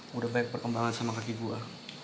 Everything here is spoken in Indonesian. sudah banyak perkembangan sama kaki gua